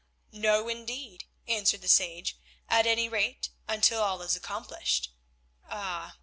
"No, indeed," answered the sage, "at any rate until all is accomplished. Ah!"